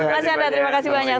mas yandra terima kasih banyak